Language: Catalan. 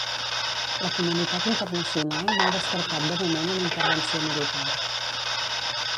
La comunitat internacional no ha descartat de moment una intervenció militar.